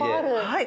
はい。